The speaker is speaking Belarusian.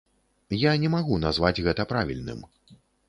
Я не магу назваць гэта правільным.